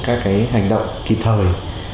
các hành động kịp thời